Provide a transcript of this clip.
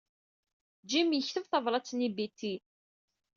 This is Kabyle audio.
Jim yekteb tabṛat-nni i Betty.